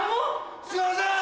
すいません！